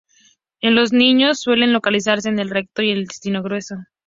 En los niños, suelen localizarse en el recto y el intestino grueso.